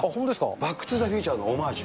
バック・トゥ・ザ・フューチャーのオマージュ。